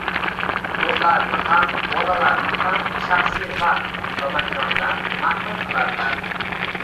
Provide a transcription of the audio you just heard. o‘zlarini ham bolalarini ham shaxsiy vaqt va makondan mahrum qiladilar.